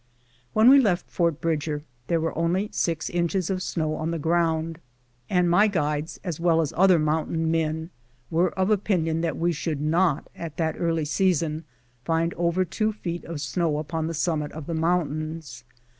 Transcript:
When we left Fort Bridger there was only six inches of snow on the ground, and my guides, as well as other mount ain men, were of opinion that we should not, at that early season, find over two feet of snow upon the summit of the mountains.